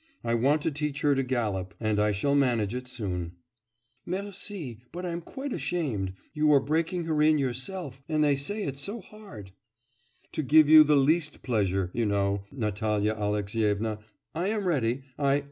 I want to teach her to gallop, and I shall manage it soon.' 'Merci!... But I'm quite ashamed. You are breaking her in yourself ... and they say it's so hard!' 'To give you the least pleasure, you know, Natalya Alexyevna, I am ready... I...